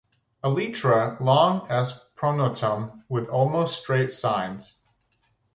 Elytra long as pronotum and with almost straight sides.